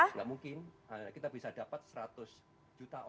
tidak mungkin kita bisa dapat seratus juta orang